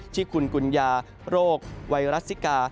ชิคกุลกุญญาโรคไวรัสซิกา